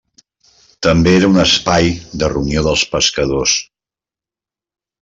També era un espai de reunió dels pescadors.